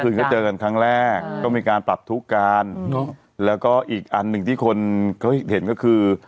คือก็เจอกันครั้งแรกก็มีการปรับทุกข์กันแล้วก็อีกอันหนึ่งที่คนเขาเห็นก็คือ